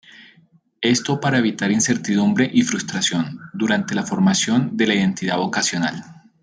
Esto para evitar incertidumbre y frustración, durante la formación de la identidad vocacional.